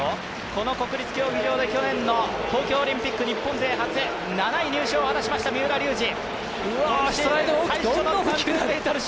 この国立競技場で去年の東京オリンピック日本勢初７位入賞を果たしました三浦龍司。